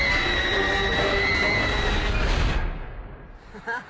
ハハハハ！